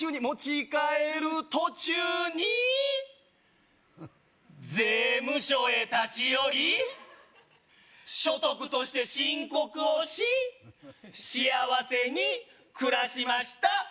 持ち帰る途中に税務署へ立ち寄り所得として申告をし幸せに暮らしました